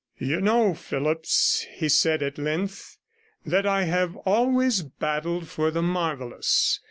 'You know, Phillipps,' he said at length, 'that I have always battled for the marvellous.